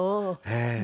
ええ。